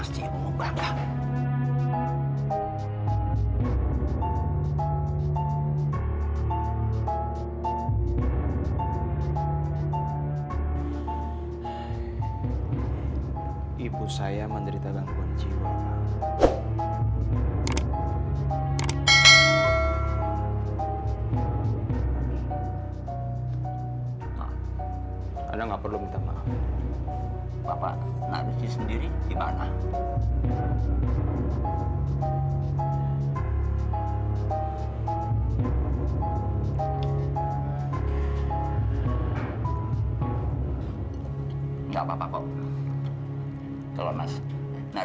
sampai jumpa di video selanjutnya